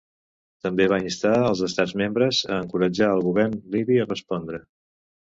També va instar els Estats membres a encoratjar al govern libi a respondre.